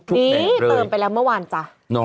นี่เติมไปแล้วเมื่อวานจ้ะ